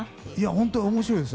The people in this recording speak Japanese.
本当に面白いです。